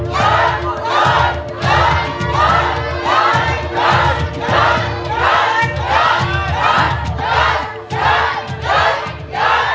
หยุดหยุดหยุดหยุดหยุด